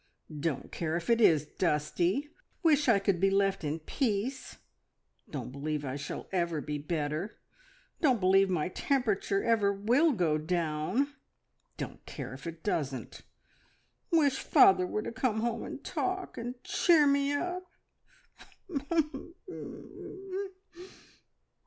Don't care if it is dusty! Wish I could be left in peace. Don't believe I shall ever be better. Don't believe my temperature ever will go down. Don't care if it doesn't! Wish father were home to come and talk, and cheer me up.